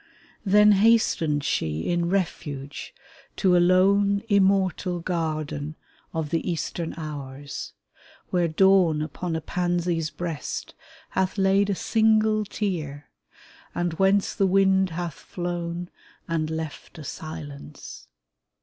Then hastens she in refuge to a lone, Immortal garden of the eastern hours, Where Dawn upon a pansy's breast hath laid A single tear, and whence the wind hath flown And left a silence.